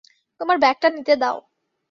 তোমার ব্যাগটা নিতে দাও।